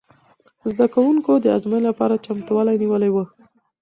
زده کوونکو د ازموینې لپاره چمتووالی نیولی و.